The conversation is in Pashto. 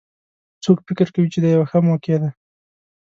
څوک فکر کوي چې دا یوه ښه موقع ده